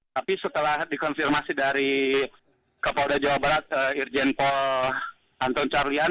tapi setelah dikonfirmasi dari kapolda jawa barat irjen pol anton carlian